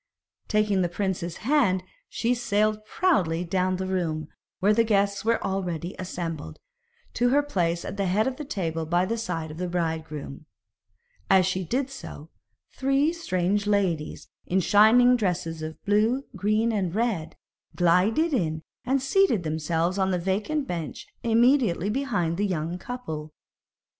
Taking the prince's hand, she sailed proudly down the room, where the guests were already assembled, to her place at the head of the table by the side of the bridegroom. As she did so, three strange ladies in shining dresses of blue, green, and red, glided in and seated themselves on a vacant bench immediately behind the young couple.